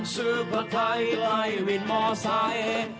ซื้อผัดไทยไล่วินมอไซค์